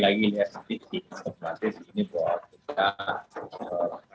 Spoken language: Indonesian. saya masih di otomatis ini pak